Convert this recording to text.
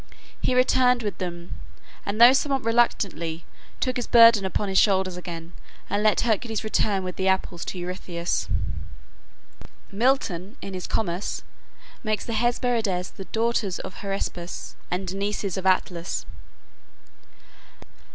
He returned with them, and though somewhat reluctantly, took his burden upon his shoulders again, and let Hercules return with the apples to Eurystheus. Milton, in his "Comus," makes the Hesperides the daughters of Hesperus and nieces of Atlas